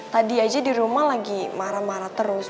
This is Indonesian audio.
tadi aja di rumah lagi marah marah terus